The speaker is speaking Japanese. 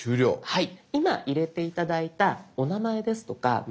はい。